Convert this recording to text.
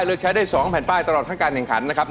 เลือกใช้ได้๒แผ่นป้ายตลอดทั้งการแข่งขันนะครับ